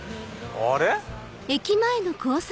あれ？